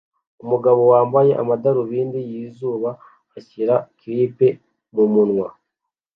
Umugabo wambaye amadarubindi yizuba ashyira chip mumunwa